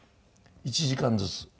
１時間ずつ。